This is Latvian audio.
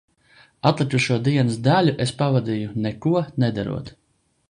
Atlikušo dienas daļu es pavadīju neko nedarot.